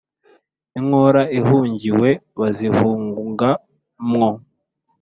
inkora ihungiwe bazihunga mwo.